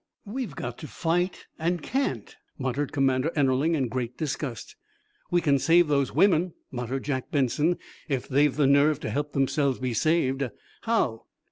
"Humph! We've got to fight and can't!" muttered Commander Ennerling, in great disgust. "We can save those women," muttered Jack Benson, "if they've the nerve to help themselves be saved." "How?"